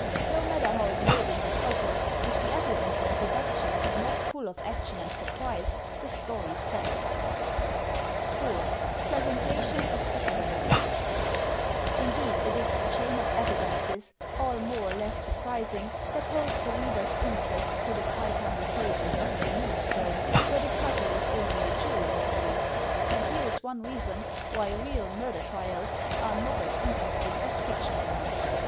No matter how absorbing the puzzle, if the evi dence and deduction be not full of action and surprise the story palls. 258 THE TECHNIQUE OF THE MYSTERY STORY 4, Presentation of the Evidence Indeed it is the chain of evidences, all more or less sur prising, that holds the reader's interest through the five hundred pages of "The Moonstone," where the puzzle is only a jewel robbery. And here is one reason why real mur der trials are not as interesting as fictional ones.